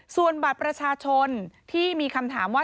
ส่วนบัตรประชาชนที่มีคำถามว่า